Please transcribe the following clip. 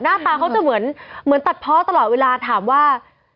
หน้าตาเขาจะเหมือนตัดเพาะตลอดเวลาถามว่า